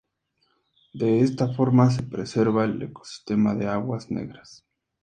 De esta forma se preserva el ecosistema de aguas negras.